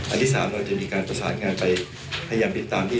ที่สามเราจะมีการประสานงานไปพยายามติดตามที่